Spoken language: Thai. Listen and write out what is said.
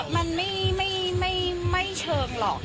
มันไม่เชิงหรอก